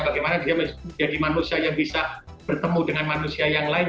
bagaimana dia menjadi manusia yang bisa bertemu dengan manusia yang lain